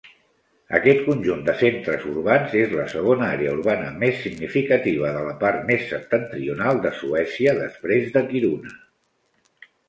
Aquest conjunt de centres urbans és la segona àrea urbana més significativa de la part més septentrional de Suècia després de Kiruna.